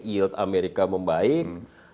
yield amerika membaik